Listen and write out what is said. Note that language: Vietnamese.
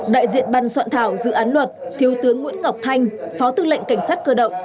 đại diện ban soạn thảo dự án luật thiếu tướng nguyễn ngọc thanh phó tư lệnh cảnh sát cơ động